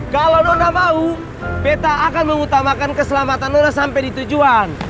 kalau nona mau beta akan mengutamakan keselamatan nona sampai di tujuan